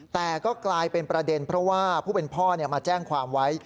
แต่ก็กลายเป็นประเด็นเพราะว่าผู้เป็นพ่อมาแจ้งความไว้